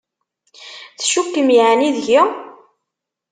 Tcukkem yeεni deg-i?